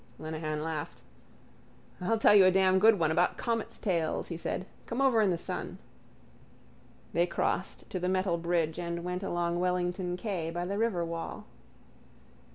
Lenehan laughed. —I'll tell you a damn good one about comets' tails, he said. Come over in the sun. They crossed to the metal bridge and went along Wellington quay by the riverwall.